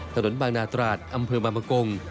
ถนนบางนาตราดอำเภอบางมะกง